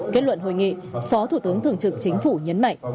kết luận hội nghị phó thủ tướng thường trực chính phủ nhấn mạnh